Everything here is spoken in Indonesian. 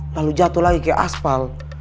lalu jatuh lagi ke aspal